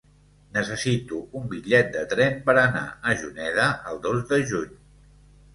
Necessito un bitllet de tren per anar a Juneda el dos de juny.